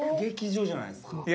劇場じゃないですか？